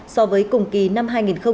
so với cùng kỳ năm hai nghìn một mươi tám